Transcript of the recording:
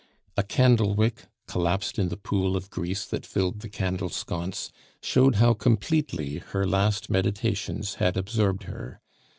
A candle wick, collapsed in the pool of grease that filled the candle sconce, showed how completely her last meditations had absorbed her.